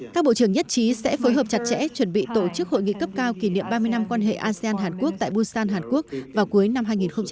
các bộ trưởng nhất trí sẽ phối hợp chặt chẽ chuẩn bị tổ chức hội nghị cấp cao kỷ niệm ba mươi năm quan hệ asean hàn quốc tại busan hàn quốc vào cuối năm hai nghìn hai mươi